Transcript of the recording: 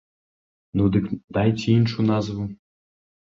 Ну дык дайце іншую назву.